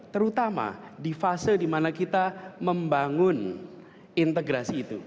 terutama di fase dimana kita membangun integrasi itu